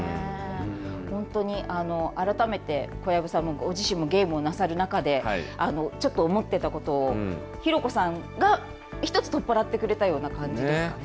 本当に改めて小籔さんご自身もゲームをなさる中でちょっと思っていたことをひろこさんが一つ取っ払ってくれたような感じですかね。